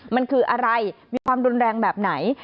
มันคืออะไรมีความรุนแรงแบบไหน